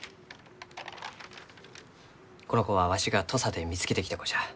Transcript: この子はわしが土佐で見つけてきた子じゃ。